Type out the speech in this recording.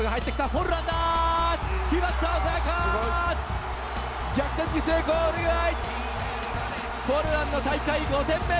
フォルランの大会５点目。